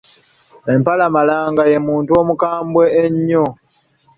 Empalamalanga ye muntu omukambwe ennyo.